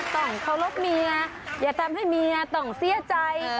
ต้องเคารพเมียอย่าทำให้เมียต้องเสียใจ